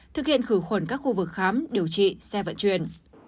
thực hiện khử khuẩn các khu vực khám điều trị xe vận chuyển